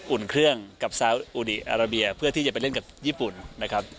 อุ่นเครื่องกับซาอุดีอาราเบียเพื่อที่จะไปเล่นกับญี่ปุ่นนะครับ